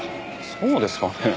そうですかね。